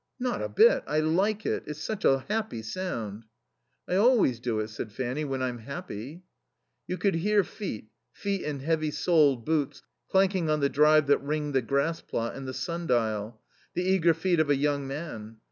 "Not a bit. I like it. It's such a happy sound." "I always do it," said Fanny, "when I'm happy." You could hear feet, feet in heavy soled boots, clanking on the drive that ringed the grass plot and the sundial; the eager feet of a young man.